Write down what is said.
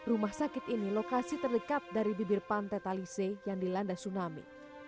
rumah sakit ini lokasi terdekat dari bibir pantai talise yang dilanda tsunami